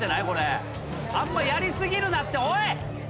あんまやり過ぎるなっておい！